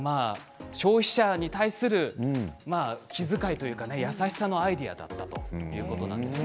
消費者に対する気遣い、優しさのアイデアだったということなんですね。